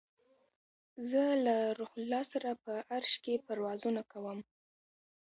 زه له روح الله سره په عرش کې پروازونه کوم